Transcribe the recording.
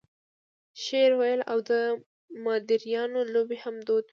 شعر ویل او د مداریانو لوبې هم دود وې.